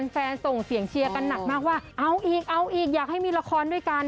แฟนส่งเสียงเชียร์กันหนักมากว่าเอาอีกเอาอีกอยากให้มีละครด้วยกัน